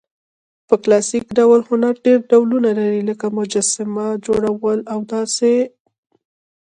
په کلاسیک ډول هنرډېر ډولونه لري؛ لکه: مجسمه، جوړول او داسي...